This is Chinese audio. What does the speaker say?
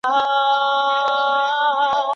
设计放在身边